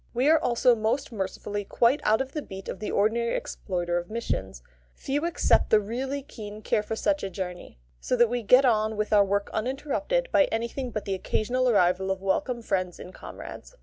We are also most mercifully quite out of the beat of the ordinary exploiter of missions; few except the really keen care for such a journey; so that we get on with our work uninterrupted by anything but the occasional arrival of welcome friends and comrades.